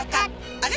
あれ？